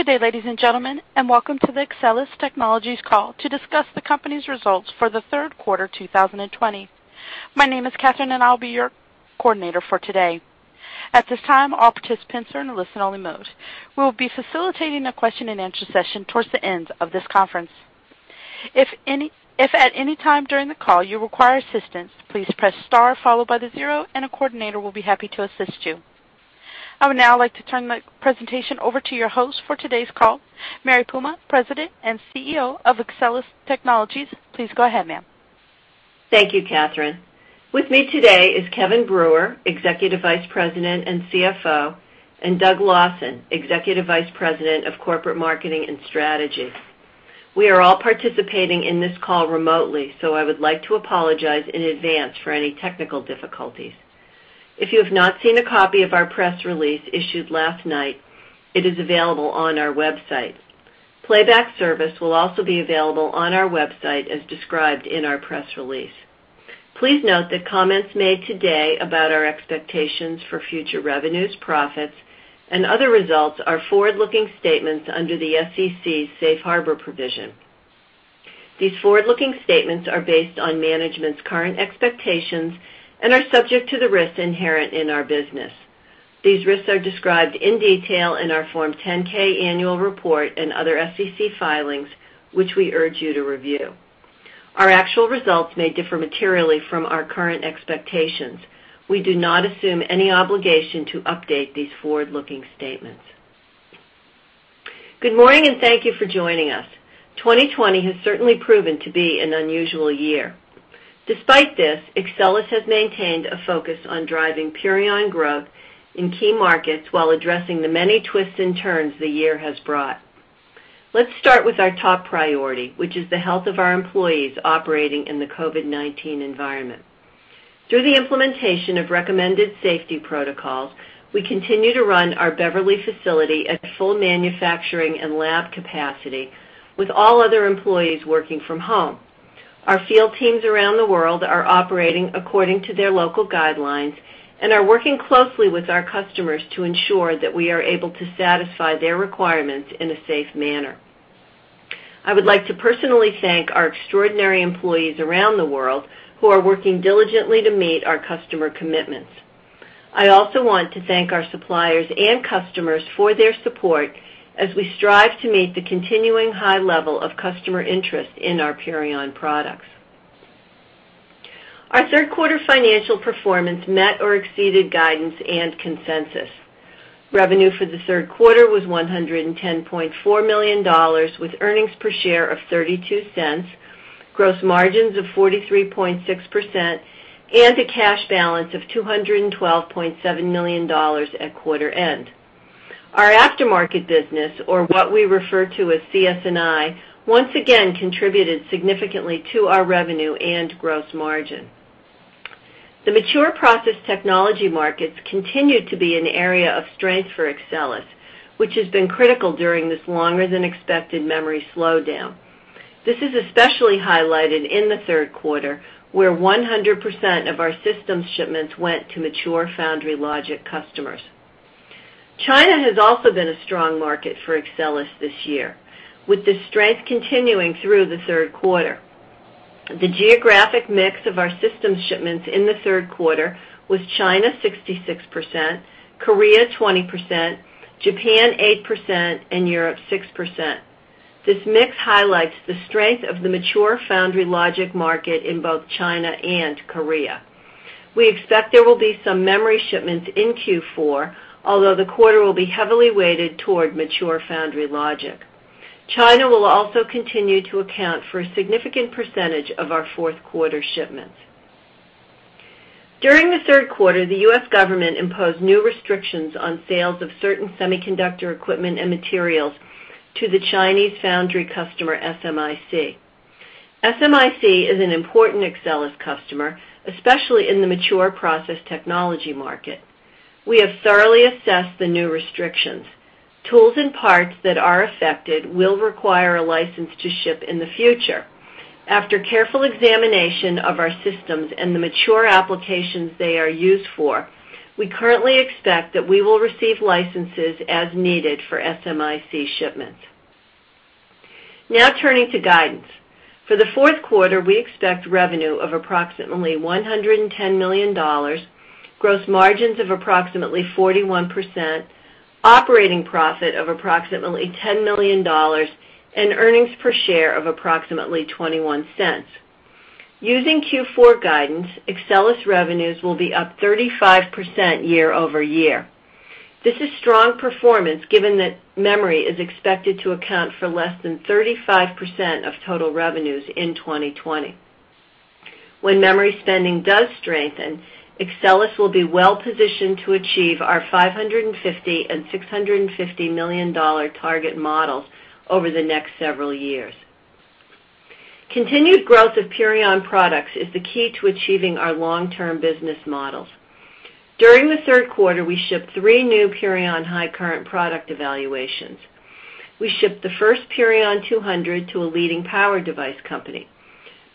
Good day, ladies and gentlemen, and welcome to the Axcelis Technologies call to discuss the company's results for the third quarter 2020. My name is Katherine, and I'll be your coordinator for today. At this time, all participants are in a listen-only mode. We'll be facilitating a question and answer session towards the end of this conference. If at any time during the call you require assistance, please press star followed by the zero and a coordinator will be happy to assist you. I would now like to turn the presentation over to your host for today's call, Mary Puma, President and CEO of Axcelis Technologies. Please go ahead, ma'am. Thank you, Katherine. With me today is Kevin Brewer, Executive Vice President and CFO, and Doug Lawson, Executive Vice President of Corporate Marketing and Strategy. We are all participating in this call remotely, so I would like to apologize in advance for any technical difficulties. If you have not seen a copy of our press release issued last night, it is available on our website. Playback service will also be available on our website as described in our press release. Please note that comments made today about our expectations for future revenues, profits, and other results are forward-looking statements under the SEC's Safe Harbor provision. These forward-looking statements are based on management's current expectations and are subject to the risks inherent in our business. These risks are described in detail in our Form 10-K annual report and other SEC filings, which we urge you to review. Our actual results may differ materially from our current expectations. We do not assume any obligation to update these forward-looking statements. Good morning. Thank you for joining us. 2020 has certainly proven to be an unusual year. Despite this, Axcelis has maintained a focus on driving Purion growth in key markets while addressing the many twists and turns the year has brought. Let's start with our top priority, which is the health of our employees operating in the COVID-19 environment. Through the implementation of recommended safety protocols, we continue to run our Beverly facility at full manufacturing and lab capacity, with all other employees working from home. Our field teams around the world are operating according to their local guidelines and are working closely with our customers to ensure that we are able to satisfy their requirements in a safe manner. I would like to personally thank our extraordinary employees around the world who are working diligently to meet our customer commitments. I also want to thank our suppliers and customers for their support as we strive to meet the continuing high level of customer interest in our Purion products. Our third quarter financial performance met or exceeded guidance and consensus. Revenue for the third quarter was $110.4 million with earnings per share of $0.32, gross margins of 43.6%, and a cash balance of $212.7 million at quarter end. Our aftermarket business, or what we refer to as CS&I, once again contributed significantly to our revenue and gross margin. The mature process technology markets continued to be an area of strength for Axcelis, which has been critical during this longer than expected memory slowdown. This is especially highlighted in the third quarter, where 100% of our systems shipments went to mature foundry logic customers. China has also been a strong market for Axcelis this year, with the strength continuing through the third quarter. The geographic mix of our systems shipments in the third quarter was China 66%, Korea 20%, Japan 8%, and Europe 6%. This mix highlights the strength of the mature foundry logic market in both China and Korea. We expect there will be some memory shipments in Q4, although the quarter will be heavily weighted toward mature foundry logic. China will also continue to account for a significant percentage of our fourth quarter shipments. During the third quarter, the U.S. government imposed new restrictions on sales of certain semiconductor equipment and materials to the Chinese foundry customer, SMIC. SMIC is an important Axcelis customer, especially in the mature process technology market. We have thoroughly assessed the new restrictions. Tools and parts that are affected will require a license to ship in the future. After careful examination of our systems and the mature applications they are used for, we currently expect that we will receive licenses as needed for SMIC shipments. Turning to guidance. For the fourth quarter, we expect revenue of approximately $110 million, gross margins of approximately 41%, operating profit of approximately $10 million, and earnings per share of approximately $0.21. Using Q4 guidance, Axcelis revenues will be up 35% year-over-year. This is strong performance given that memory is expected to account for less than 35% of total revenues in 2020. When memory spending does strengthen, Axcelis will be well positioned to achieve our $550 million and $650 million target models over the next several years. Continued growth of Purion products is the key to achieving our long-term business models. During the third quarter, we shipped three new Purion high current product evaluations. We shipped the first Purion 200 to a leading power device company.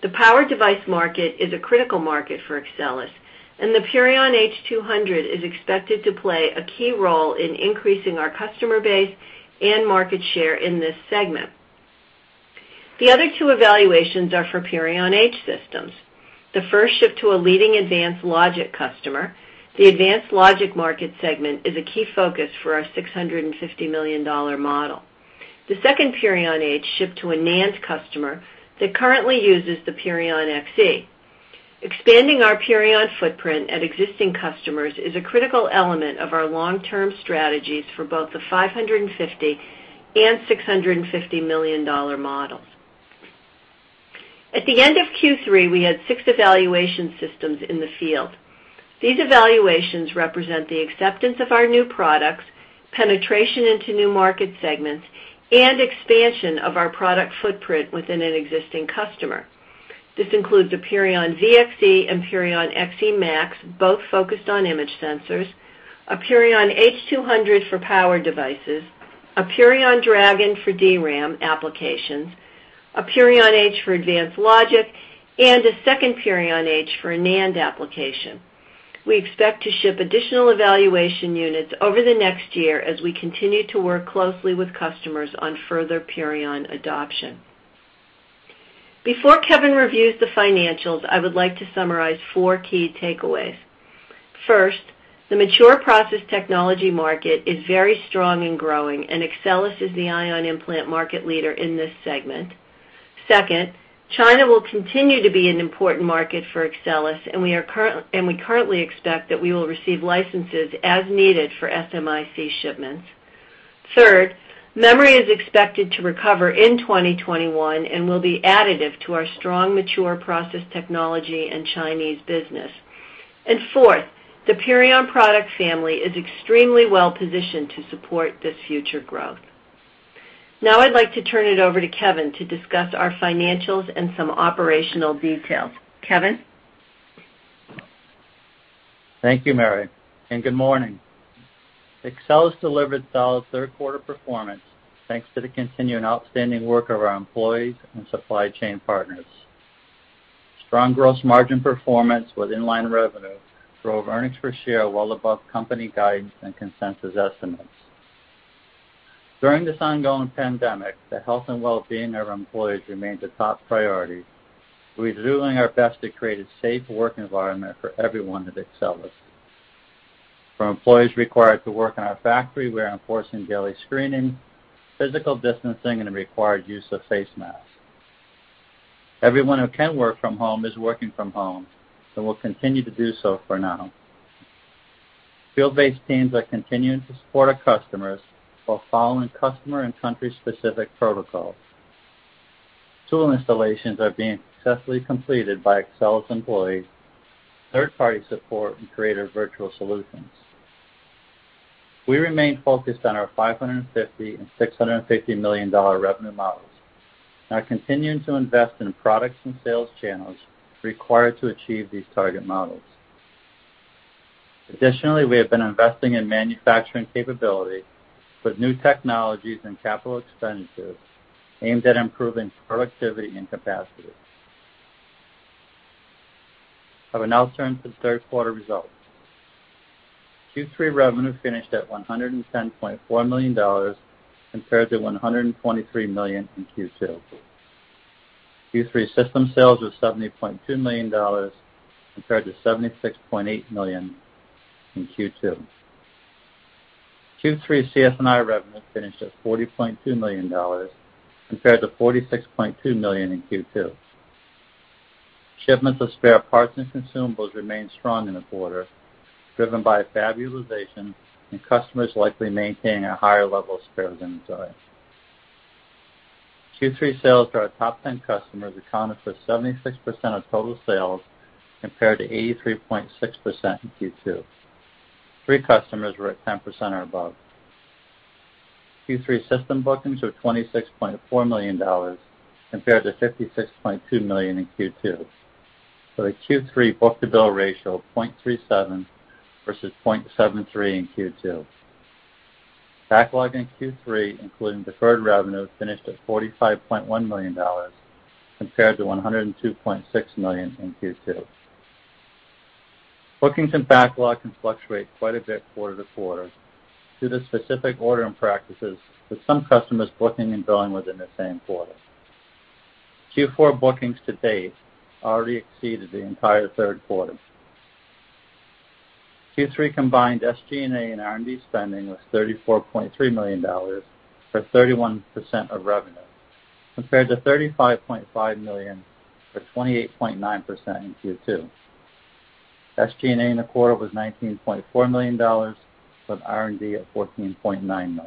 The power device market is a critical market for Axcelis, and the Purion H200 is expected to play a key role in increasing our customer base and market share in this segment. The other two evaluations are for Purion H systems. The first shipped to a leading advanced logic customer. The advanced logic market segment is a key focus for our $650 million model. The second Purion H shipped to a NAND customer that currently uses the Purion XE. Expanding our Purion footprint at existing customers is a critical element of our long-term strategies for both the $550 and $650 million models. At the end of Q3, we had six evaluation systems in the field. These evaluations represent the acceptance of our new products, penetration into new market segments, and expansion of our product footprint within an existing customer. This includes the Purion VXE and Purion XEmax, both focused on image sensors, a Purion H200 for power devices, a Purion Dragon for DRAM applications, a Purion H for advanced logic, and a second Purion H for a NAND application. We expect to ship additional evaluation units over the next year as we continue to work closely with customers on further Purion adoption. Before Kevin reviews the financials, I would like to summarize four key takeaways. First, the mature process technology market is very strong and growing, and Axcelis is the ion implant market leader in this segment. Second, China will continue to be an important market for Axcelis, and we currently expect that we will receive licenses as needed for SMIC shipments. Third, memory is expected to recover in 2021 and will be additive to our strong mature process technology and Chinese business. Fourth, the Purion product family is extremely well-positioned to support this future growth. Now I'd like to turn it over to Kevin to discuss our financials and some operational details. Kevin? Thank you, Mary, and good morning. Axcelis delivered solid third quarter performance thanks to the continuing outstanding work of our employees and supply chain partners. Strong gross margin performance with in-line revenue drove earnings per share well above company guidance and consensus estimates. During this ongoing pandemic, the health and wellbeing of our employees remains a top priority. We're doing our best to create a safe work environment for everyone at Axcelis. For employees required to work in our factory, we are enforcing daily screening, physical distancing, and a required use of face masks. Everyone who can work from home is working from home and will continue to do so for now. Field-based teams are continuing to support our customers while following customer and country-specific protocols. Tool installations are being successfully completed by Axcelis employees, third-party support, and creative virtual solutions. We remain focused on our $550 million and $650 million revenue models, are continuing to invest in products and sales channels required to achieve these target models. Additionally, we have been investing in manufacturing capability with new technologies and capital expenditures aimed at improving productivity and capacity. I will now turn to the third quarter results. Q3 revenue finished at $110.4 million, compared to $123 million in Q2. Q3 system sales was $70.2 million, compared to $76.8 million in Q2. Q3 CS&I revenue finished at $40.2 million, compared to $46.2 million in Q2. Shipments of spare parts and consumables remained strong in the quarter, driven by fab utilization and customers likely maintaining a higher level of spare inventory. Q3 sales to our top 10 customers accounted for 76% of total sales, compared to 83.6% in Q2. Three customers were at 10% or above. Q3 system bookings were $26.4 million, compared to $56.2 million in Q2, for a Q3 book-to-bill ratio of 0.37 versus 0.73 in Q2. Backlog in Q3, including deferred revenue, finished at $45.1 million, compared to $102.6 million in Q2. Bookings and backlog can fluctuate quite a bit quarter to quarter due to specific ordering practices with some customers booking and billing within the same quarter. Q4 bookings to date already exceeded the entire third quarter. Q3 combined SG&A and R&D spending was $34.3 million, or 31% of revenue, compared to $35.5 million, or 28.9%, in Q2. SG&A in the quarter was $19.4 million, with R&D at $14.9 million.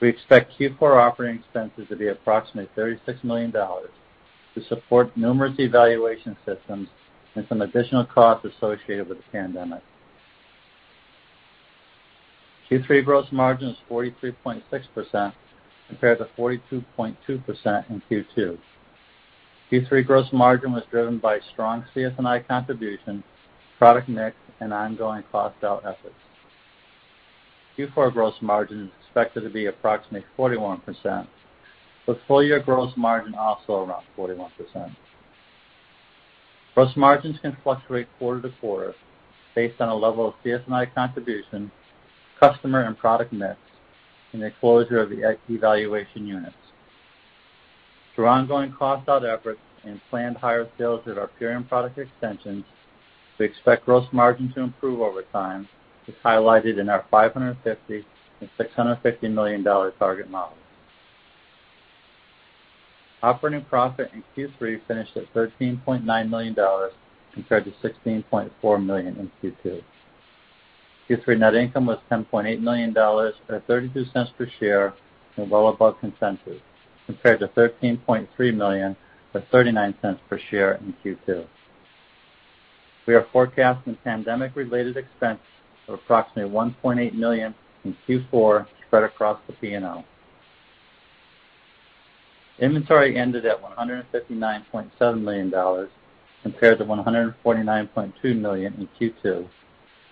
We expect Q4 operating expenses to be approximately $36 million to support numerous evaluation systems and some additional costs associated with the pandemic. Q3 gross margin was 43.6%, compared to 42.2% in Q2. Q3 gross margin was driven by strong CS&I contribution, product mix, and ongoing cost out efforts. Q4 gross margin is expected to be approximately 41%, with full-year gross margin also around 41%. Gross margins can fluctuate quarter to quarter based on a level of CS&I contribution, customer and product mix, and the closure of the evaluation units. Through ongoing cost out efforts and planned higher sales of our Purion product extensions, we expect gross margin to improve over time, as highlighted in our $550 million-$650 million target model. Operating profit in Q3 finished at $13.9 million compared to $16.4 million in Q2. Q3 net income was $10.8 million, or $0.32 per share, and well above consensus, compared to $13.3 million or $0.39 per share in Q2. We are forecasting pandemic-related expense of approximately $1.8 million in Q4 spread across the P&L. Inventory ended at $159.7 million, compared to $149.2 million in Q2,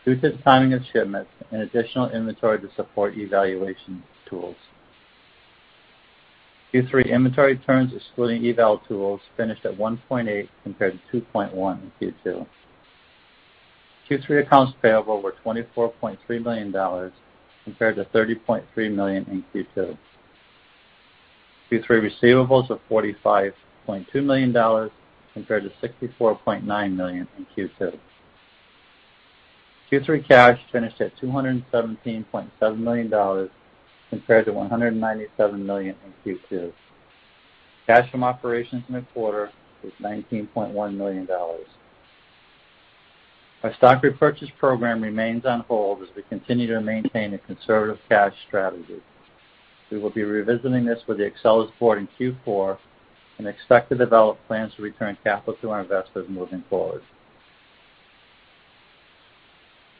due to the timing of shipments and additional inventory to support evaluation tools. Q3 inventory turns, excluding eval tools, finished at 1.8 compared to 2.1 in Q2. Q3 accounts payable were $24.3 million compared to $30.3 million in Q2. Q3 receivables were $45.2 million compared to $64.9 million in Q2. Q3 cash finished at $217.7 million compared to $197 million in Q2. Cash from operations in the quarter was $19.1 million. Our stock repurchase program remains on hold as we continue to maintain a conservative cash strategy. We will be revisiting this with the Axcelis board in Q4 and expect to develop plans to return capital to our investors moving forward.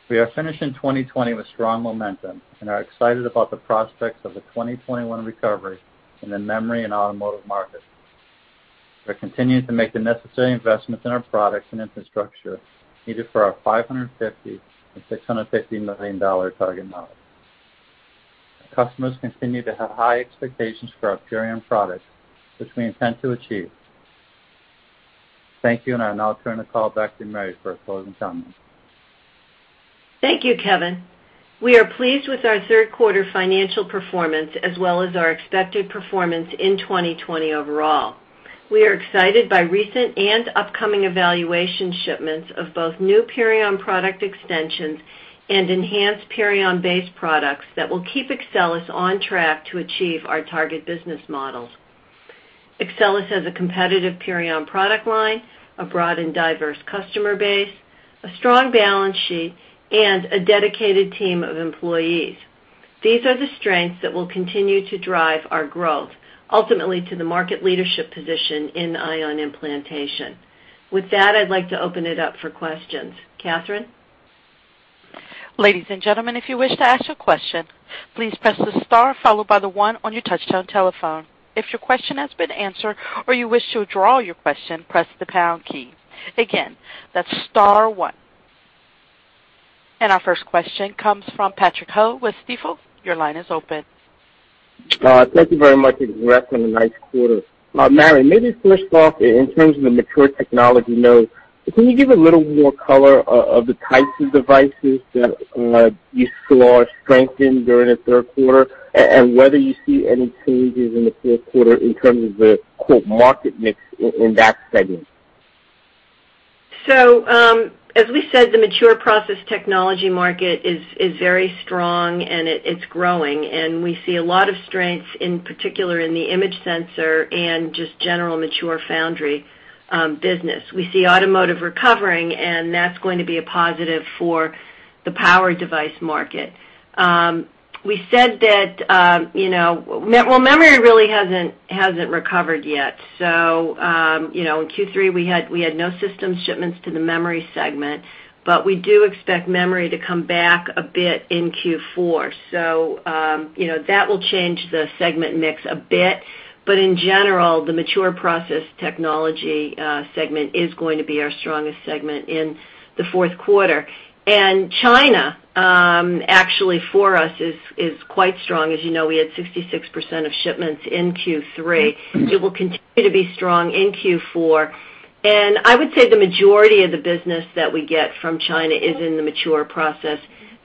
We are finishing 2020 with strong momentum and are excited about the prospects of a 2021 recovery in the memory and automotive market. We're continuing to make the necessary investments in our products and infrastructure needed for our $550 million-$650 million target model. Customers continue to have high expectations for our Purion products, which we intend to achieve. Thank you, and I'll now turn the call back to Mary for closing comments. Thank you, Kevin. We are pleased with our third quarter financial performance as well as our expected performance in 2020 overall. We are excited by recent and upcoming evaluation shipments of both new Purion product extensions and enhanced Purion-based products that will keep Axcelis on track to achieve our target business models. Axcelis has a competitive Purion product line, a broad and diverse customer base, a strong balance sheet, and a dedicated team of employees. These are the strengths that will continue to drive our growth, ultimately to the market leadership position in ion implantation. With that, I'd like to open it up for questions. Katherine? Ladies and gentlemen, if you wish to ask a question, please press the star followed by the one on your touch-tone telephone. If your question has been answered or you wish to withdraw your question, press the pound key. Again, that's star one. Our first question comes from Patrick Ho with Stifel. Your line is open. Thank you very much. Congrats on a nice quarter. Mary, maybe first off, in terms of the mature technology node, can you give a little more color of the types of devices that you saw strengthen during the third quarter, and whether you see any changes in the fourth quarter in terms of the "market mix" in that segment? As we said, the mature process technology market is very strong and it's growing, and we see a lot of strength, in particular in the image sensor and just general mature foundry business. We see automotive recovering, and that's going to be a positive for the power device market. Memory really hasn't recovered yet. In Q3, we had no system shipments to the memory segment, but we do expect memory to come back a bit in Q4. That will change the segment mix a bit. In general, the mature process technology segment is going to be our strongest segment in the fourth quarter. China, actually for us, is quite strong. As you know, we had 66% of shipments in Q3. It will continue to be strong in Q4. I would say the majority of the business that we get from China is in the mature process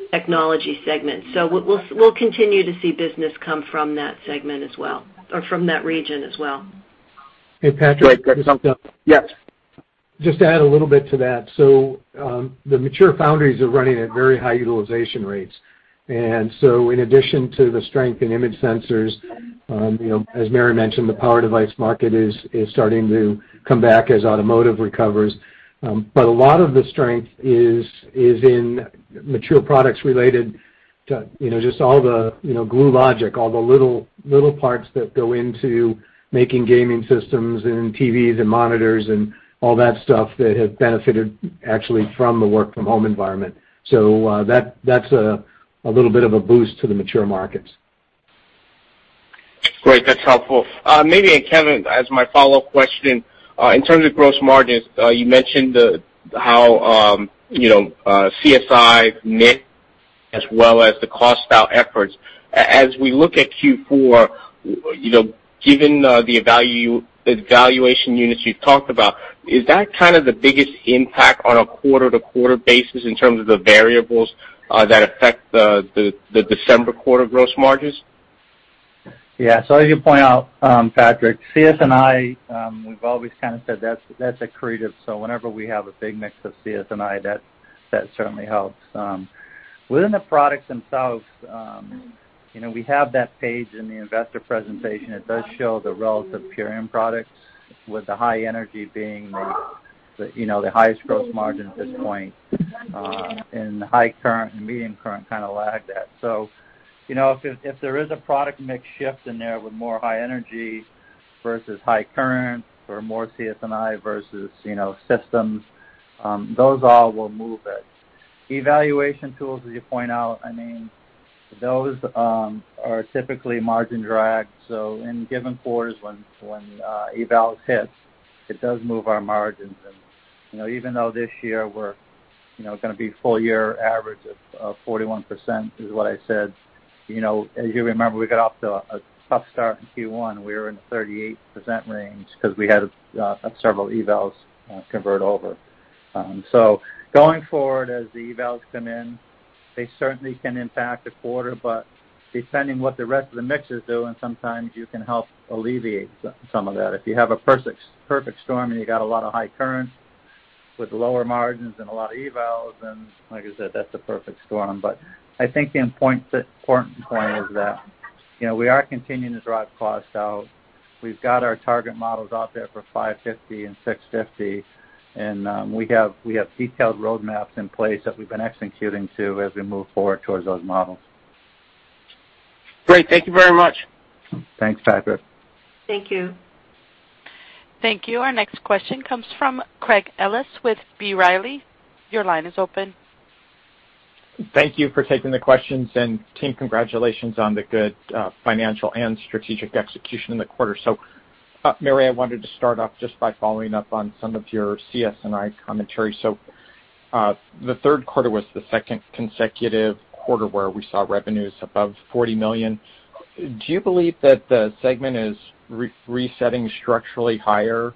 technology segment. We'll continue to see business come from that segment as well, or from that region as well. Hey, Patrick. Yes. Just to add a little bit to that. The mature foundries are running at very high utilization rates. In addition to the strength in image sensors, as Mary mentioned, the power device market is starting to come back as automotive recovers. A lot of the strength is in mature products related to just all the glue logic, all the little parts that go into making gaming systems and TVs and monitors and all that stuff that have benefited actually from the work from home environment. That's a little bit of a boost to the mature markets. Great. That's helpful. Maybe, Kevin, as my follow-up question, in terms of gross margins, you mentioned how CSI mix as well as the cost out efforts. As we look at Q4, given the evaluation units you've talked about, is that kind of the biggest impact on a quarter-to-quarter basis in terms of the variables that affect the December quarter gross margins? Yeah. As you point out, Patrick, CS&I, we've always kind of said that's accretive. Whenever we have a big mix of CS&I, that certainly helps. Within the products themselves, we have that page in the investor presentation, it does show the relative premium products with the high energy being the highest gross margin at this point, and the high current and medium current kind of lag that. If there is a product mix shift in there with more high energy versus high current or more CS&I versus systems, those all will move it. Evaluation tools, as you point out, those are typically margin drags. In given quarters, when eval hits, it does move our margins. Even though this year we're going to be full year average of 41%, is what I said, as you remember, we got off to a tough start in Q1. We were in the 38% range because we had several evals convert over. Going forward, as the evals come in, they certainly can impact a quarter, but depending what the rest of the mix is doing, sometimes you can help alleviate some of that. If you have a perfect storm, and you got a lot of high current with lower margins and a lot of evals, then like I said, that's a perfect storm. I think the important point is that we are continuing to drive costs out. We've got our target models out there for 550 and 650, and we have detailed roadmaps in place that we've been executing to as we move forward towards those models. Great. Thank you very much. Thanks, Patrick. Thank you. Thank you. Our next question comes from Craig Ellis with B. Riley. Your line is open. Thank you for taking the questions, and team, congratulations on the good financial and strategic execution in the quarter. Mary, I wanted to start off just by following up on some of your CS&I commentary. The third quarter was the second consecutive quarter where we saw revenues above $40 million. Do you believe that the segment is resetting structurally higher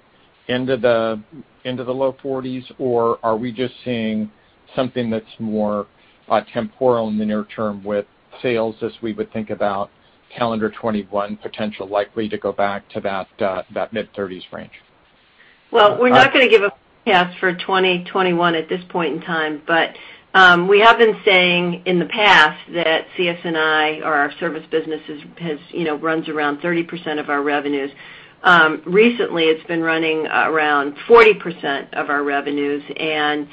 into the low $40s? Or are we just seeing something that's more temporal in the near term with sales, as we would think about calendar 2021 potential likely to go back to that mid-$30s range? We're not going to give a for 2021 at this point in time. We have been saying in the past that CS&I, or our service business, runs around 30% of our revenues. Recently, it's been running around 40% of our revenues, and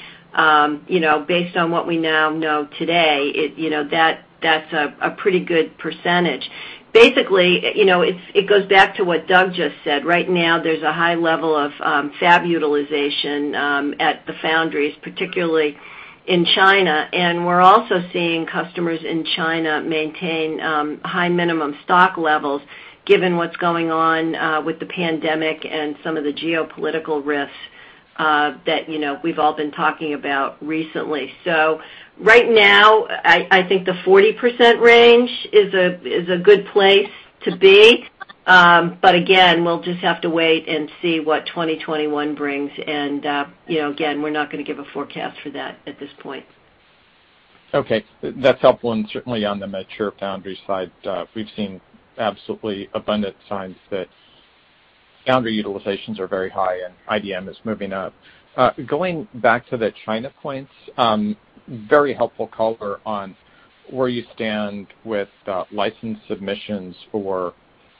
based on what we now know today, that's a pretty good percentage. Basically, it goes back to what Doug just said. Right now, there's a high level of fab utilization at the foundries, particularly in China, and we're also seeing customers in China maintain high minimum stock levels given what's going on with the pandemic and some of the geopolitical risks that we've all been talking about recently. Right now, I think the 40% range is a good place to be. Again, we'll just have to wait and see what 2021 brings, and again, we're not going to give a forecast for that at this point. Okay, that's helpful, and certainly on the mature foundry side, we've seen absolutely abundant signs that foundry utilizations are very high, and IBM is moving up. Going back to the China points, very helpful color on where you stand with license submissions for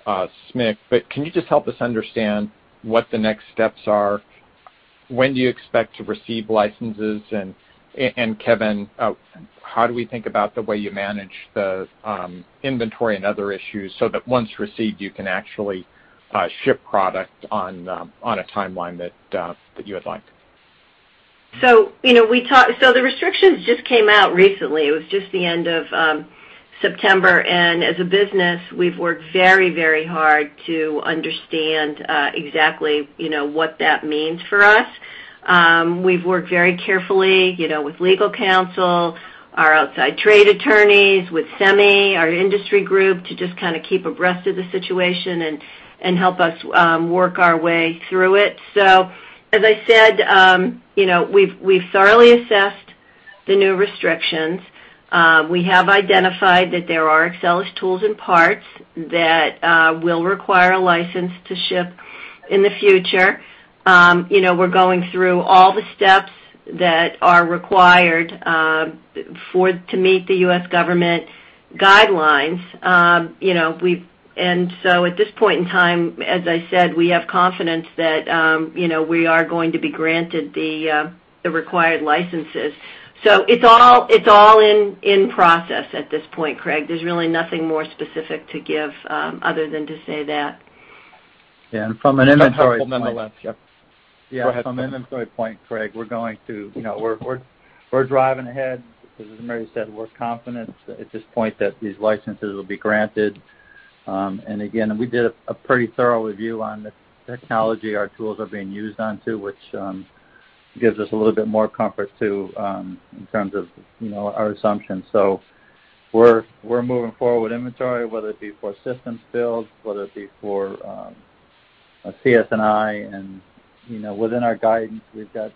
SMIC. Can you just help us understand what the next steps are? When do you expect to receive licenses? Kevin, how do we think about the way you manage the inventory and other issues so that once received, you can actually ship product on a timeline that you would like? The restrictions just came out recently. It was just the end of September, and as a business, we've worked very hard to understand exactly what that means for us. We've worked very carefully with legal counsel, our outside trade attorneys, with SEMI, our industry group, to just kind of keep abreast of the situation and help us work our way through it. As I said, we've thoroughly assessed the new restrictions. We have identified that there are Axcelis tools and parts that will require a license to ship in the future. We're going through all the steps that are required to meet the U.S. government guidelines. At this point in time, as I said, we have confidence that we are going to be granted the required licenses. It's all in process at this point, Craig. There's really nothing more specific to give other than to say that. Yeah. Some helpful nonetheless. Yeah. Go ahead. From an inventory point, Craig, we're driving ahead because, as Mary said, we're confident at this point that these licenses will be granted. Again, we did a pretty thorough review on the technology our tools are being used on, too, which gives us a little bit more comfort, too, in terms of our assumptions. We're moving forward with inventory, whether it be for systems builds, whether it be for CS&I. Within our guidance, we've got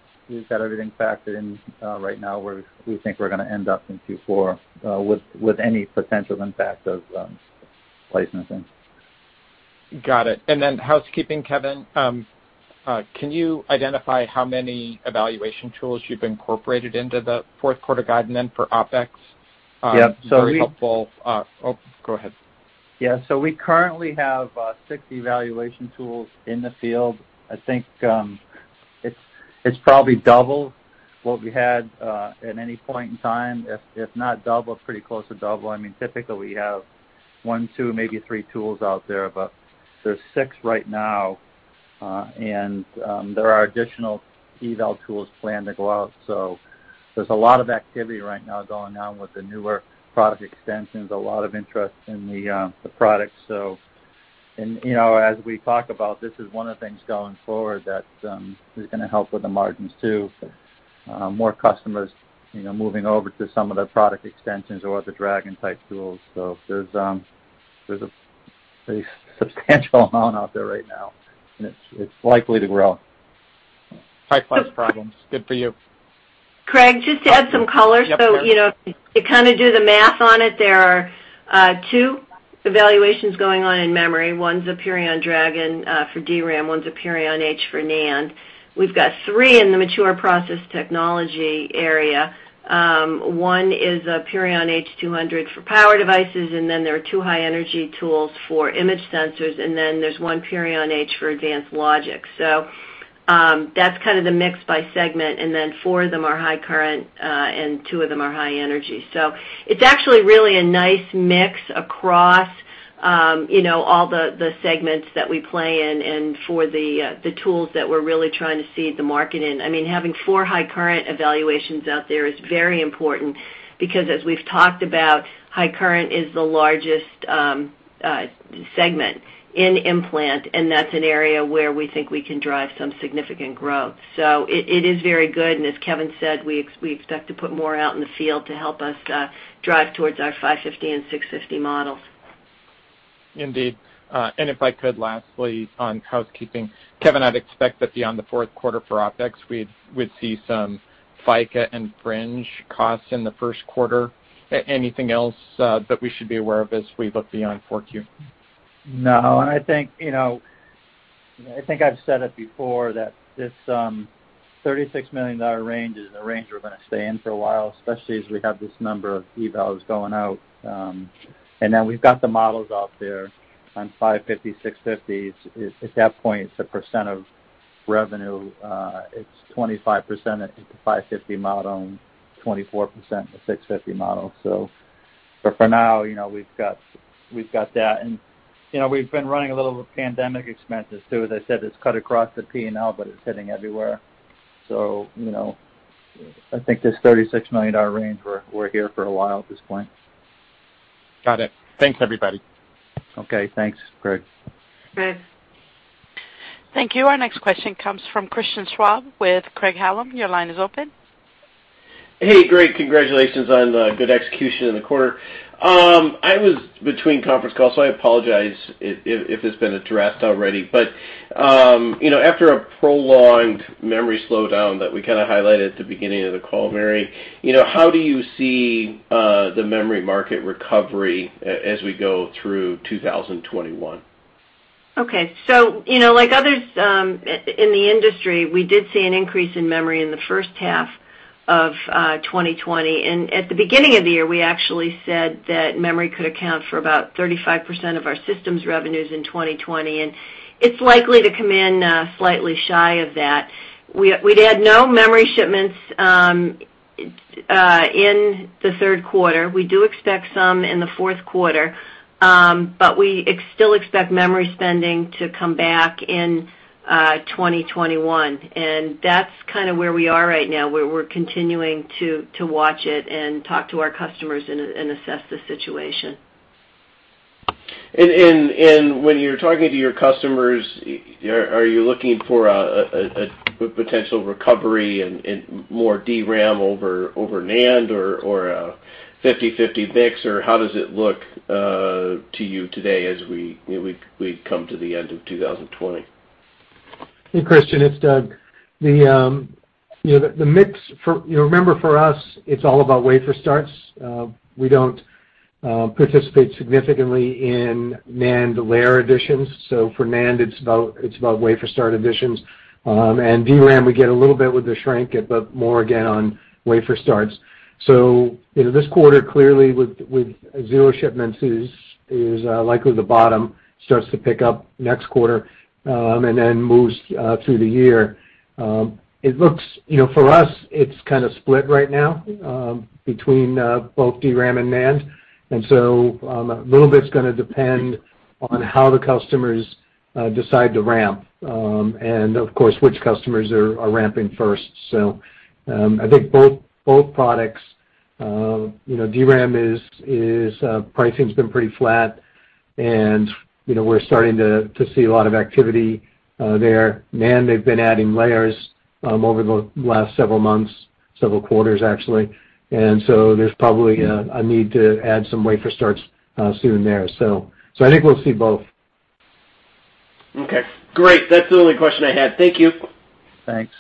everything factored in right now where we think we're going to end up in Q4, with any potential impact of licensing. Got it. Housekeeping, Kevin, can you identify how many evaluation tools you've incorporated into the fourth quarter guide, and then for OpEx? Yeah. Very helpful. Oh, go ahead. Yeah. We currently have six evaluation tools in the field. I think it's probably double what we had at any point in time. If not double, pretty close to double. Typically, we have one, two, maybe three tools out there. There's six right now, and there are additional eval tools planned to go out. There's a lot of activity right now going on with the newer product extensions, a lot of interest in the products. We talk about, this is one of the things going forward that is going to help with the margins, too. More customers moving over to some of the product extensions or the Dragon-type tools. There's a pretty substantial amount out there right now, and it's likely to grow. High-class problems. Good for you. Craig, just to add some color. Yeah, Mary. If you do the math on it, there are two evaluations going on in Memory. One's a Purion Dragon for DRAM, one's a Purion H for NAND. We've got three in the mature process technology area. One is a Purion H200 for power devices, and then there are two high-energy tools for image sensors, and then there's one Purion H for advanced logic. That's kind of the mix by segment, and then four of them are high-current, and two of them are high-energy. It's actually really a nice mix across all the segments that we play in, and for the tools that we're really trying to seed the market in. Having four high-current evaluations out there is very important because, as we've talked about, high-current is the largest segment in implant, and that's an area where we think we can drive some significant growth. It is very good, and as Kevin said, we expect to put more out in the field to help us drive towards our 550 and 650 models. Indeed. If I could, lastly, on housekeeping, Kevin, I'd expect that beyond the fourth quarter for OpEx, we'd see some FICA and fringe costs in the first quarter. Anything else that we should be aware of as we look beyond 4Q? No. I think I've said it before, that this $36 million range is the range we're going to stay in for a while, especially as we have this number of evals going out. Then we've got the models out there on 550, 650. At that point, it's a percent of revenue. It's 25% at the 550 model and 24% the 650 model. For now, we've got that. We've been running a little with pandemic expenses, too. As I said, it's cut across the P&L, but it's hitting everywhere. I think this $36 million range, we're here for a while at this point. Got it. Thanks, everybody. Okay, thanks, Craig. Craig. Thank you. Our next question comes from Christian Schwab with Craig-Hallum. Your line is open. Hey, great. Congratulations on the good execution in the quarter. I was between conference calls, so I apologize if it has been addressed already. After a prolonged memory slowdown that we kind of highlighted at the beginning of the call, Mary, how do you see the memory market recovery as we go through 2021? Okay. Like others in the industry, we did see an increase in memory in the first half of 2020. At the beginning of the year, we actually said that memory could account for about 35% of our systems revenues in 2020, and it's likely to come in slightly shy of that. We'd had no memory shipments in the third quarter. We do expect some in the fourth quarter. We still expect memory spending to come back in 2021, and that's kind of where we are right now. We're continuing to watch it and talk to our customers and assess the situation. When you're talking to your customers, are you looking for a potential recovery and more DRAM over NAND, or a 50/50 mix, or how does it look to you today as we come to the end of 2020? Hey, Christian, it's Doug. The mix, remember, for us, it's all about wafer starts. We don't participate significantly in NAND layer additions. For NAND, it's about wafer start additions. DRAM, we get a little bit with the shrink it, but more again on wafer starts. This quarter, clearly, with zero shipments, is likely the bottom. Starts to pick up next quarter, and then moves through the year. For us, it's kind of split right now between both DRAM and NAND. A little bit's going to depend on how the customers decide to ramp. Of course, which customers are ramping first. I think both products, DRAM pricing's been pretty flat, and we're starting to see a lot of activity there. NAND, they've been adding layers over the last several months, several quarters actually. There's probably a need to add some wafer starts soon there. I think we'll see both. Okay, great. That's the only question I had. Thank you. Thanks.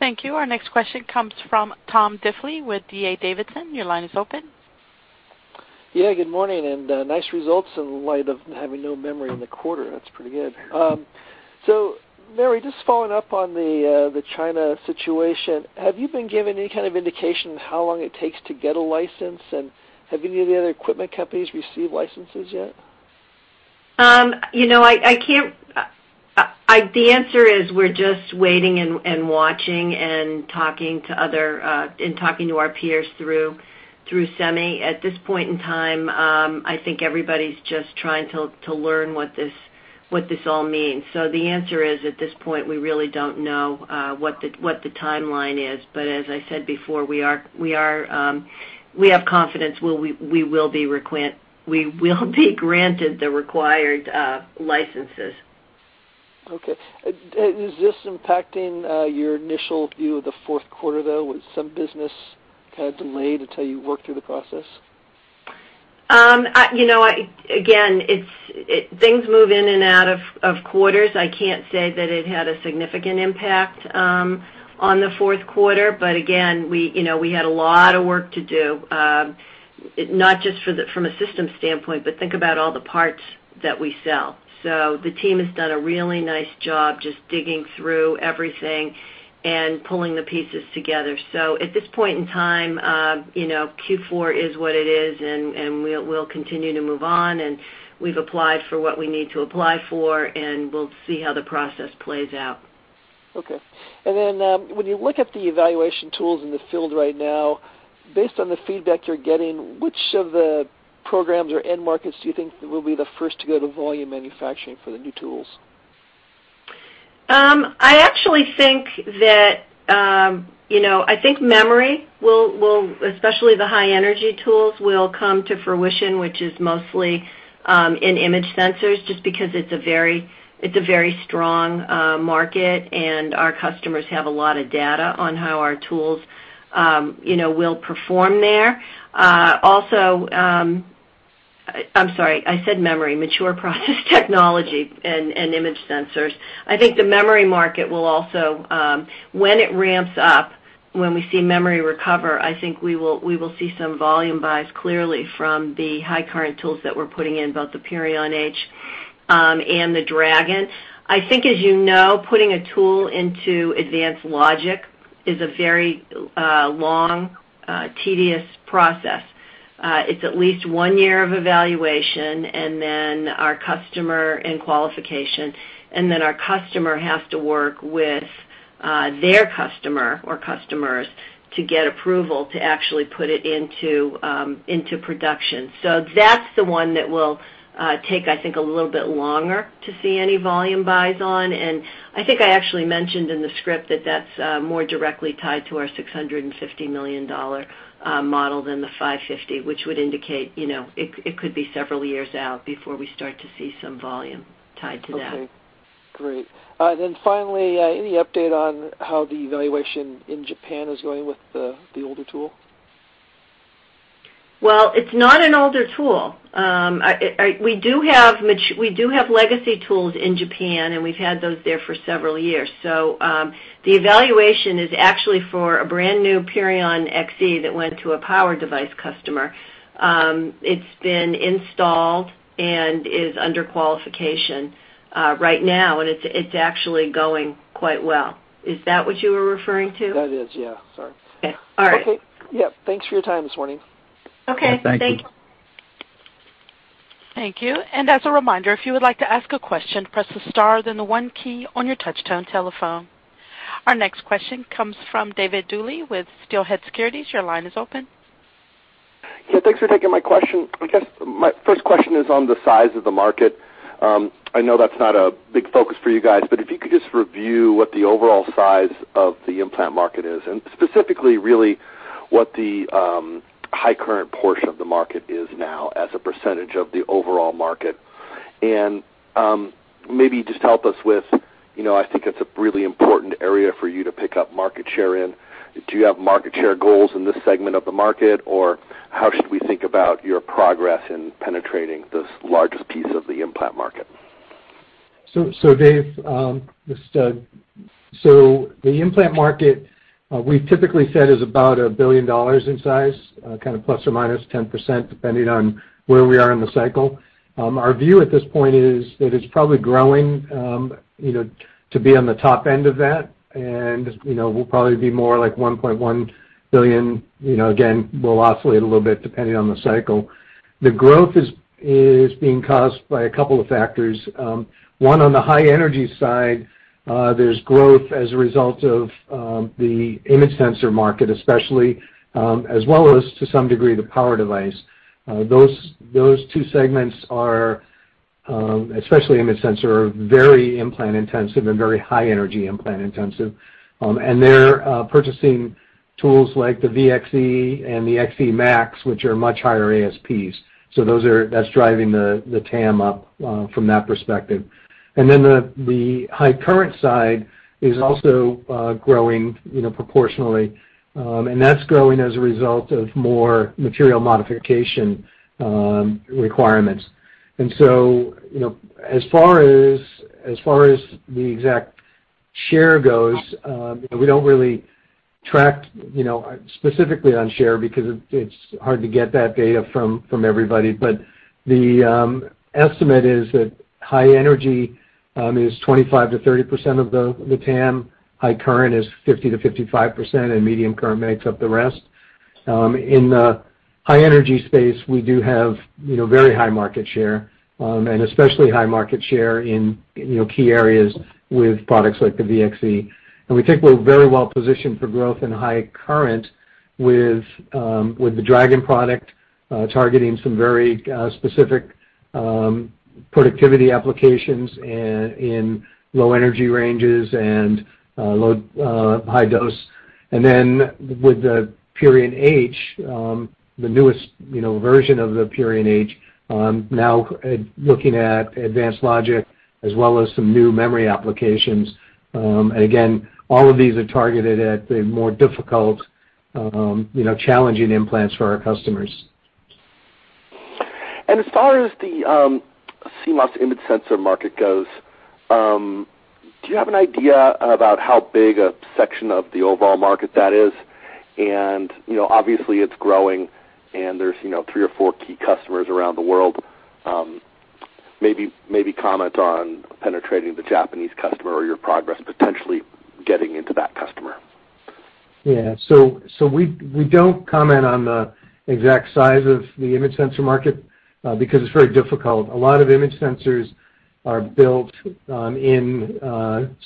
Thank you. Our next question comes from Tom Diffely with D.A. Davidson. Your line is open. Yeah, good morning, nice results in light of having no memory in the quarter. That's pretty good. Mary, just following up on the China situation, have you been given any kind of indication of how long it takes to get a license, and have any of the other equipment companies received licenses yet? The answer is we're just waiting and watching, and talking to our peers through SEMI. At this point in time, I think everybody's just trying to learn what this all means. The answer is, at this point, we really don't know what the timeline is. As I said before, we have confidence we will be granted the required licenses. Okay. Is this impacting your initial view of the fourth quarter, though? Will some business kind of delay until you work through the process? Again, things move in and out of quarters. I can't say that it had a significant impact on the fourth quarter. Again, we had a lot of work to do, not just from a systems standpoint, but think about all the parts that we sell. The team has done a really nice job just digging through everything and pulling the pieces together. At this point in time, Q4 is what it is, and we'll continue to move on, and we've applied for what we need to apply for, and we'll see how the process plays out. Okay. When you look at the evaluation tools in the field right now, based on the feedback you're getting, which of the programs or end markets do you think will be the first to go to volume manufacturing for the new tools? I think memory, especially the high-energy tools, will come to fruition, which is mostly in image sensors, just because it's a very strong market, and our customers have a lot of data on how our tools will perform there. I'm sorry, I said memory. Mature process technology and image sensors. I think the memory market will also, when it ramps up, when we see memory recover, I think we will see some volume buys, clearly, from the high current tools that we're putting in, both the Purion H and the Dragon. I think, as you know, putting a tool into advanced logic is a very long, tedious process. It's at least one year of evaluation and qualification, and then our customer has to work with their customer or customers to get approval to actually put it into production. That's the one that will take, I think, a little bit longer to see any volume buys on. I think I actually mentioned in the script that that's more directly tied to our $650 million model than the $550 million, which would indicate it could be several years out before we start to see some volume tied to that. Okay, great. Finally, any update on how the evaluation in Japan is going with the older tool? Well, it's not an older tool. We do have legacy tools in Japan, and we've had those there for several years. The evaluation is actually for a brand-new Purion XE that went to a power device customer. It's been installed and is under qualification right now, and it's actually going quite well. Is that what you were referring to? That is, yeah. Sorry. Okay. All right. Okay. Yep. Thanks for your time this morning. Okay. Thanks. Yeah, thank you. Thank you. As a reminder, if you would like to ask a question, press the star, then the one key on your touchtone telephone. Our next question comes from David Duley with Steelhead Securities. Your line is open. Yeah, thanks for taking my question. I guess my first question is on the size of the market. I know that's not a big focus for you guys, but if you could just review what the overall size of the implant market is, and specifically, really, what the high current portion of the market is now as a % of the overall market. Maybe just help us with, I think it's a really important area for you to pick up market share in. Do you have market share goals in this segment of the market, or how should we think about your progress in penetrating this largest piece of the implant market? Dave, this is Doug. The implant market, we've typically said, is about $1 billion in size, kind of ±10%, depending on where we are in the cycle. Our view at this point is that it's probably growing to be on the top end of that, and will probably be more like $1.1 billion. Again, will oscillate a little bit depending on the cycle. The growth is being caused by a couple of factors. One, on the high-energy side, there's growth as a result of the image sensor market, especially, as well as, to some degree, the power device. Especially image sensor, very implant intensive and very high energy implant intensive. They're purchasing tools like the VXE and the XEmax, which are much higher ASPs. That's driving the TAM up from that perspective. The high current side is also growing proportionally, and that's growing as a result of more material modification requirements. As far as the exact share goes, we don't really track specifically on share because it's hard to get that data from everybody. The estimate is that high energy is 25%-30% of the TAM, high current is 50%-55%, and medium current makes up the rest. In the high energy space, we do have very high market share, and especially high market share in key areas with products like the VXE. We think we're very well positioned for growth in high current with the Dragon product, targeting some very specific productivity applications in low energy ranges and high dose. With the Purion H, the newest version of the Purion H, now looking at advanced logic as well as some new memory applications. Again, all of these are targeted at the more difficult, challenging implants for our customers. As far as the CMOS image sensor market goes, do you have an idea about how big a section of the overall market that is? Obviously it's growing, and there's three or four key customers around the world. Maybe comment on penetrating the Japanese customer or your progress potentially getting into that customer. We don't comment on the exact size of the image sensor market because it's very difficult. A lot of image sensors are built in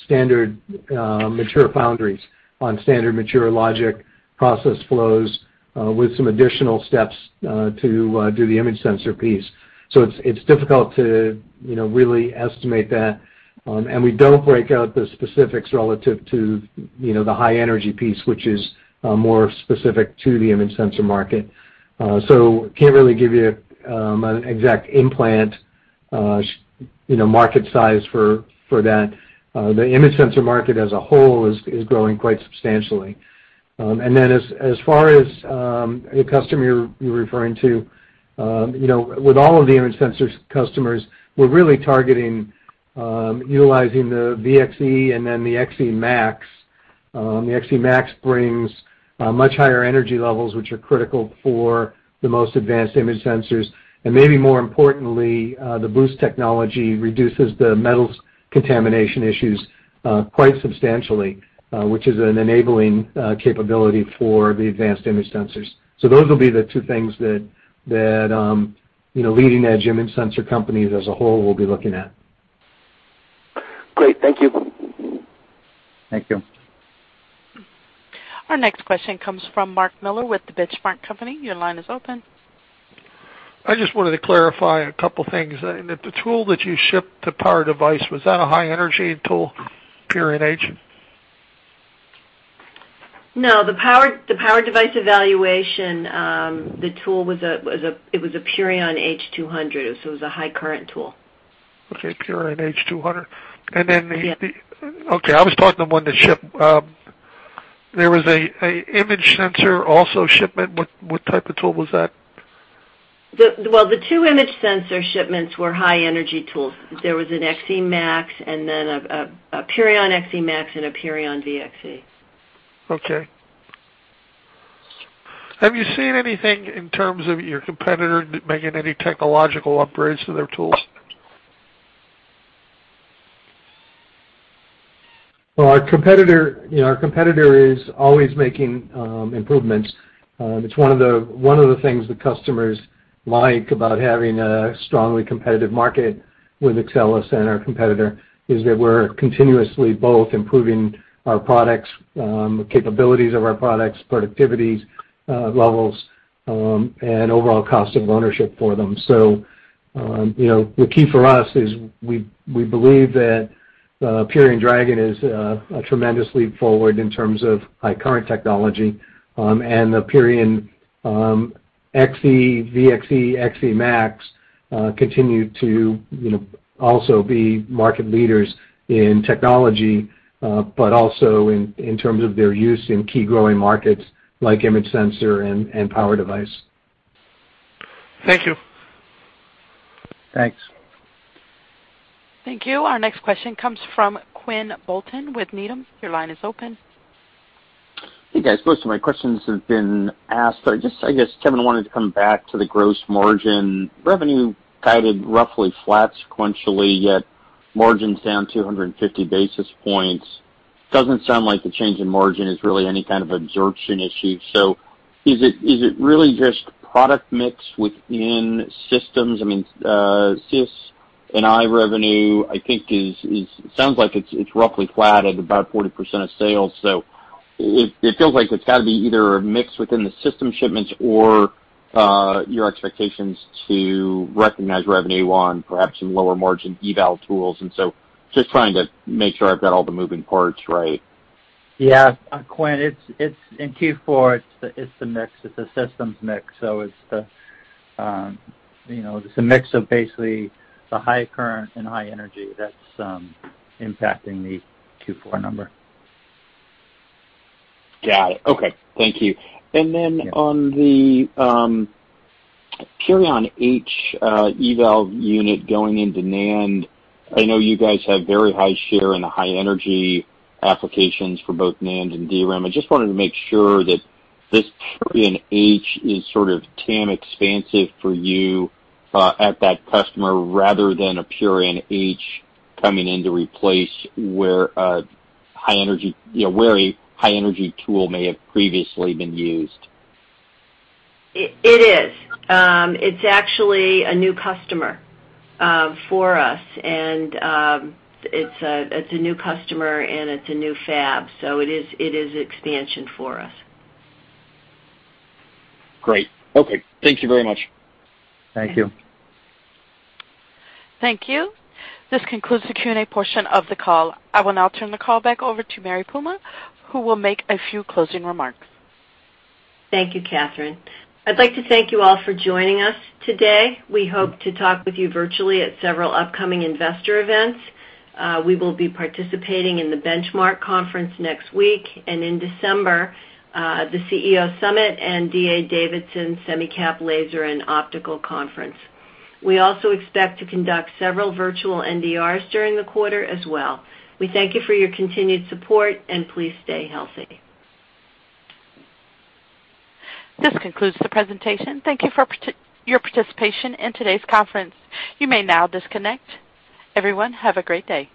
standard mature foundries, on standard mature logic process flows, with some additional steps to do the image sensor piece. It's difficult to really estimate that. We don't break out the specifics relative to the high energy piece, which is more specific to the image sensor market. Can't really give you an exact implant market size for that. The image sensor market as a whole is growing quite substantially. Then as far as the customer you're referring to, with all of the image sensor customers, we're really targeting utilizing the VXe and then the XeMax. The XeMax brings much higher energy levels, which are critical for the most advanced image sensors. Maybe more importantly, the boost technology reduces the metals contamination issues quite substantially, which is an enabling capability for the advanced image sensors. Those will be the two things that leading edge image sensor companies as a whole will be looking at. Great. Thank you. Thank you. Our next question comes from Mark Miller with The Benchmark Company. Your line is open. I just wanted to clarify a couple things. The tool that you shipped to power device, was that a high energy tool, Purion H? No, the power device evaluation, the tool, it was a Purion H200. It was a high current tool. Okay. Purion H200. Yeah. Okay. I was talking of one that shipped. There was a image sensor also shipment. What type of tool was that? Well, the two image sensor shipments were high energy tools. There was an XEmax, and then a Purion XEmax and a Purion VXE. Okay. Have you seen anything in terms of your competitor making any technological upgrades to their tools? Well, our competitor is always making improvements. It's one of the things the customers like about having a strongly competitive market with Axcelis and our competitor is that we're continuously both improving our products, capabilities of our products, productivity levels, and overall cost of ownership for them. The key for us is we believe that Purion Dragon is a tremendous leap forward in terms of high current technology. The Purion XE, Purion VXE, Purion XEmax continue to also be market leaders in technology, but also in terms of their use in key growing markets like image sensor and power device. Thank you. Thanks. Thank you. Our next question comes from Quinn Bolton with Needham. Your line is open. Hey, guys. Most of my questions have been asked. I guess, Kevin, wanted to come back to the gross margin. Revenue guided roughly flat sequentially, yet margins down 250 basis points. Doesn't sound like the change in margin is really any kind of absorption issue. Is it really just product mix within systems? I mean, CS&I revenue, I think, sounds like it's roughly flat at about 40% of sales. It feels like it's got to be either a mix within the system shipments or your expectations to recognize revenue on perhaps some lower margin eval tools, just trying to make sure I've got all the moving parts right. Yeah. Quinn, in Q4, it's a mix. It's a systems mix. It's a mix of basically the high current and high energy that's impacting the Q4 number. Got it. Okay. Thank you. Yeah. On the Purion H eval unit going into NAND, I know you guys have very high share in the high energy applications for both NAND and DRAM. I just wanted to make sure that this Purion H is sort of TAM expansive for you, at that customer rather than a Purion H coming in to replace where a high energy tool may have previously been used. It is. It's actually a new customer for us, and it's a new customer, and it's a new fab. It is expansion for us. Great. Okay. Thank you very much. Thank you. Thank you. Thank you. This concludes the Q&A portion of the call. I will now turn the call back over to Mary Puma, who will make a few closing remarks. Thank you, Katherine. I'd like to thank you all for joining us today. We hope to talk with you virtually at several upcoming investor events. We will be participating in the Benchmark Conference next week, and in December, at the CEO Summit and D.A. Davidson Semicap, Laser, and Optical Conference. We also expect to conduct several virtual NDRs during the quarter as well. We thank you for your continued support, and please stay healthy. This concludes the presentation. Thank you for your participation in today's conference. Everyone, have a great day.